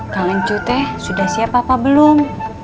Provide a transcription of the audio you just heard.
kang encu teh sudah siap apa belum